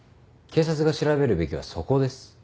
警察が調べるべきはそこです。